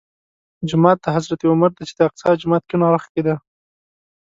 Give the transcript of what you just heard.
جومات د حضرت عمر دی چې د اقصی جومات کیڼ اړخ کې دی.